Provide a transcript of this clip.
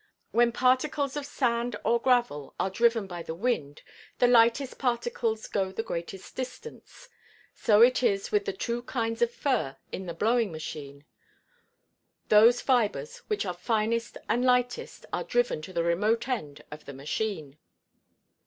When particles of sand or gravel are driven by the wind, the lightest particles go the greatest distance. So it is with the two kinds of fur in the "blowing machine," those fibers which are finest and lightest are driven to the remote end of the machine. [Illustration: BLOWING ENGINE.